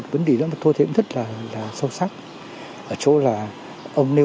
bài phát biểu này